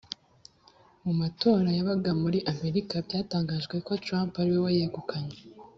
mumatorwa yabaga muri america byatangajwe ko trump ariwe wayegukanye